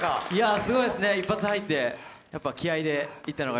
すごいですね、一発入って気合いでいったのがよ